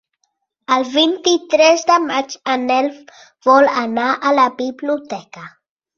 El vint-i-tres de maig en Nel vol anar a la biblioteca.